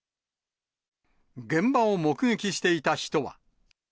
現場を目撃していた人は。